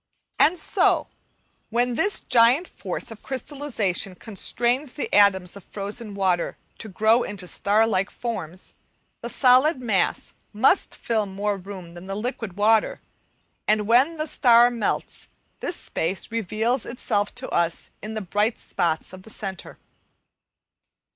And so, when this giant force of crystallization constrains the atoms of frozen water to grow into star like forms, the solid mass must fill more room than the liquid water, and when the star melts, this space reveals itself to us in the bright spot of the centre.